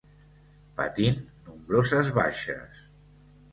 Patint nombroses baixes.